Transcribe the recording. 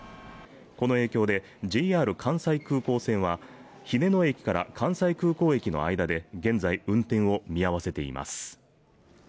この影響でＪＲ関西空港線は日根野駅と関西空港駅の間で現在、運転を見合わせています。